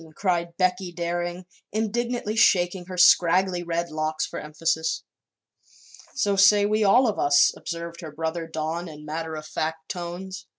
cried Becky Daring, indignantly shaking her scraggly red locks for emphasis. "So say we all of us," observed her brother Don in matter of fact tones.